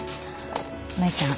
舞ちゃん。